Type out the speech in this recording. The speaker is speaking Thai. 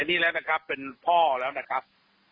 นี่แล้วนะครับเป็นพ่อแล้วนะครับ